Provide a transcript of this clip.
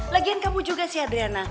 lagian kamu juga sih adriana